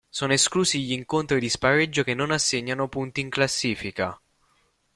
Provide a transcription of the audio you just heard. Sono esclusi gli incontri di spareggio che non assegnano punti in classifica.